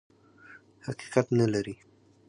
حقیقت نه لري.